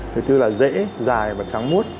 thứ tư là rễ dài và trắng mút